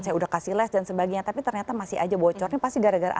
saya udah kasih les dan sebagainya tapi ternyata masih aja bocornya pasti gara gara